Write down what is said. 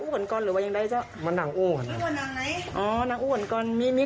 คุณบอกไม่ซิ